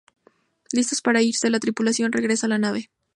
Listos para irse, la tripulación regresa a la nave.